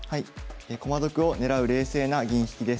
「駒得を狙う冷静な銀引きです」。